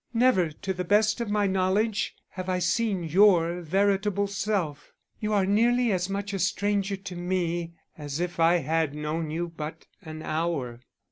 Never, to the best of my knowledge, have I seen your veritable self; you are nearly as much a stranger to me as if I had known you but an hour.